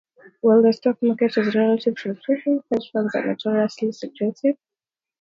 While the stock market is relatively transparent, hedge funds are notoriously secretive.